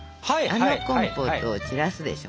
あのコンポートを散らすでしょ。